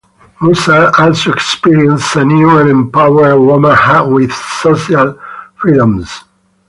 Musa also experienced a new and empowered woman with social freedoms.